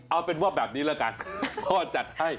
เอาเป็นว่าแบบนี้ละกันพ่อจัดให้